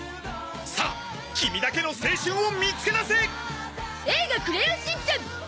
さあキミだけの青春を見つけ出せ！